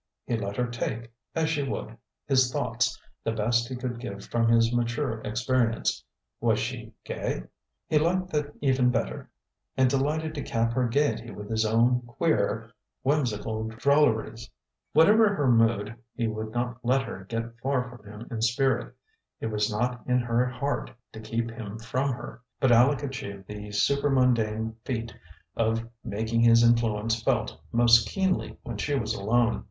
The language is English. He let her take, as she would, his thoughts, the best he could give from his mature experience. Was she gay? He liked that even better, and delighted to cap her gaiety with his own queer, whimsical drolleries. Whatever her mood, he would not let her get far from him in spirit. It was not in her heart to keep him from her; but Aleck achieved the supermundane feat of making his influence felt most keenly when she was alone.